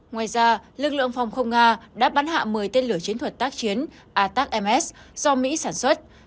ngoài ra lực lượng phòng không nga đã bắn hạ một mươi tên lửa chiến thuật tác chiến atams do mỹ sản xuất